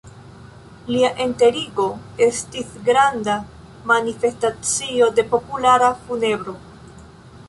Lia enterigo estis granda manifestacio de populara funebro.